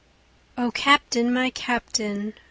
O Captain! my Captain!